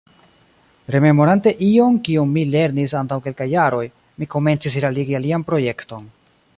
Rememorante ion, kion mi lernis antaŭ kelkaj jaroj, mi komencis realigi alian projekton.